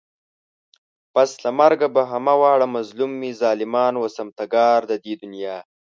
پس له مرگه به همه واړه مظلوم وي ظالمان و ستمگار د دې دنيا